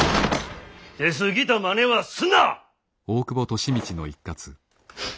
出過ぎたまねはすんな！